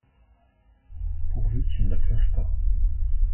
Pourvu qu'il ne pleuve pas !